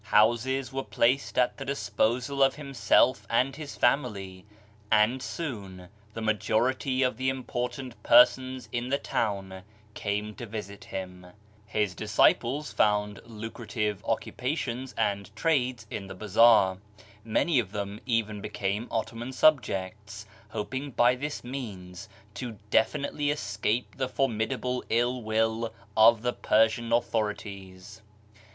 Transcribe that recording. Houses were placed at the disposal of himself and his family, and soon the majority of the important persons in the town came to visit him. 73 74 BAHAISM His disciples found lucrative occupations and trades in the bazaar : many of them even became Ottoman subjects, hoping by this means to definitely escape the formidable ill will of the Persian authorities.